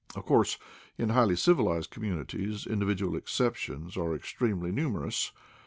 Of course, in highly civilized communities, individual exceptions are extremely numerous.